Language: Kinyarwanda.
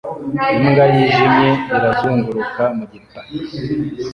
Imbwa yijimye irazunguruka mu gitaka